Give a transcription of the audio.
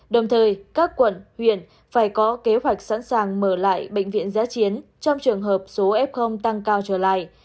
đồng thời các quận huyện phải có kế hoạch sẵn sàng mở lại bệnh viện giá chiến trong trường hợp số f tăng cao trở lại